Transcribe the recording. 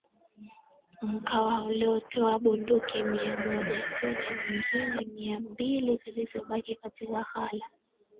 Mkwawa alitoa bunduki mia moja tuna nyingine mia mbili zilibaki katika ghala